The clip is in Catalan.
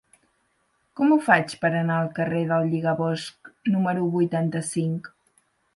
Com ho faig per anar al carrer del Lligabosc número vuitanta-cinc?